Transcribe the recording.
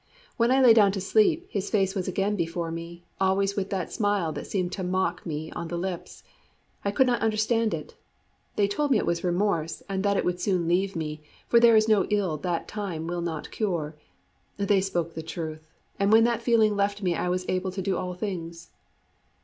When I lay down to sleep, his face was again before me, always with that smile that seemed to mock me on the lips. I could not understand it. They told me it was remorse, and that it would soon leave me, for there is no ill that time will not cure. They spoke truth, and when that feeling left me I was able to do all things."